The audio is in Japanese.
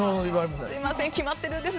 すみません、決まってるんです。